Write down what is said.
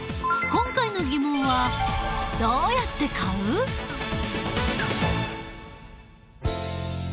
今回のテーマは「どうやって買うか」。